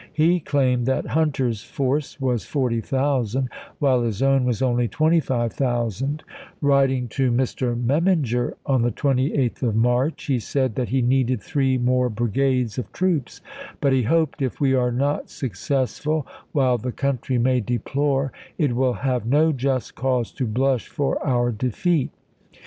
He claimed that Hunter's force was 40,000, while his own was only 25,000. Writing to Mr. Memminger on the 28th of March, he said that wea. he needed three more brigades of troops, but he hoped " if we are not successful, while the country may deplore, it will have no just cause to blush for our defeat."